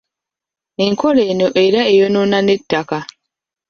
Enkola eno era eyonoona n'ettaka.